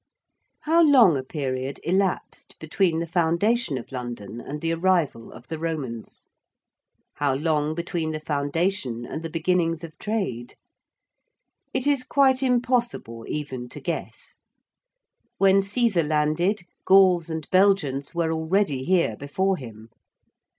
How long a period elapsed between the foundation of London and the arrival of the Romans? How long between the foundation and the beginnings of trade? It is quite impossible even to guess. When Cæsar landed Gauls and Belgians were already here before him.